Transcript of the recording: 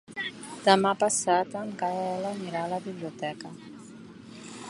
Demà passat en Gaël anirà a la biblioteca.